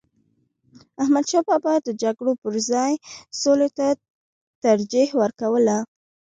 احمدشاه بابا د جګړو پر ځای سولي ته ترجیح ورکوله.